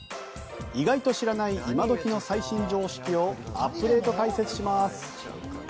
意外と知らない今時の最新常識をアップデート解説します。